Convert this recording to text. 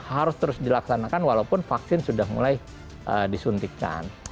harus terus dilaksanakan walaupun vaksin sudah mulai disuntikan